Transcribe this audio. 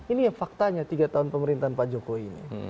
ini faktanya tiga tahun pemerintahan pak jokowi ini